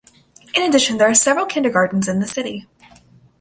In addition there are several kindergartens in the city.